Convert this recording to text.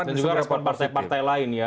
dan juga respon partai partai lain ya